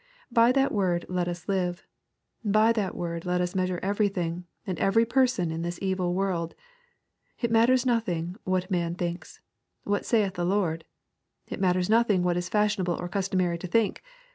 By that word let us live. By that word let us measure everything, and every person in this evil world. It matters nothing what man thinks. "What saith the Lord ?"— It matters nothing what it is fashionable or customary to think.